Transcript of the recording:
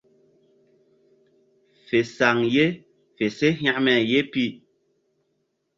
Fe saŋ ye fe se hekme ye pi.